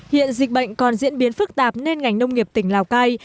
hiện dịch bệnh còn diễn biến phức tạp nên ngành nông nghiệp tỉnh lào cai